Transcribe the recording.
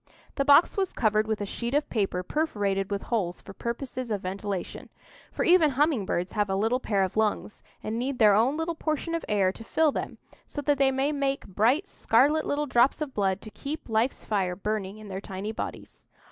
The box was covered with a sheet of paper perforated with holes for purposes of ventilation; for even humming birds have a little pair of lungs, and need their own little portion of air to fill them, so that they may make bright scarlet little drops of blood to keep life's fire burning in their tiny bodies.